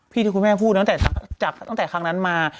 พี่ที่คุณแม่พูดจากข้างนั้นมา